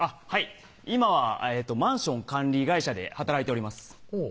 はい今はマンション管理会社で働いております